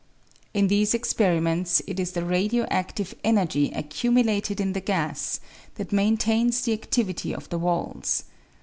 In these experiments it is the radio adtive energy accumulated in the gas that maintains the adtivity of the walls.